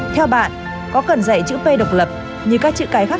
theo bạn có cần dạy chữ p độc lập như các chữ cái khác